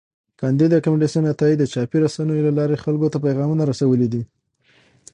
کانديد اکاډميسن عطایي د چاپي رسنیو له لارې خلکو ته پیغامونه رسولي دي.